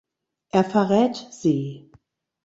Er verrät sie.